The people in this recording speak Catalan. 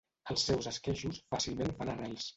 Els seus esqueixos fàcilment fan arrels.